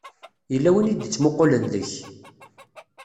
Yella win i d-ittmuqqulen deg-k.